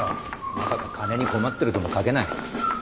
まさか金に困ってるとも書けない。